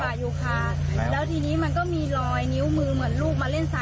อยู่ตรงนั้นอยู่ตรงหลังอันนี้เลยจ้ะอยู่ไหนค่ะ